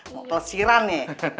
mau pelesiran ya